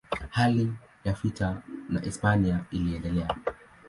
Hali ya vita na Hispania iliendelea.